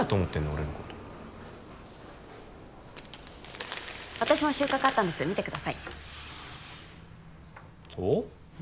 俺のこと私も収穫あったんです見てくださいおっ？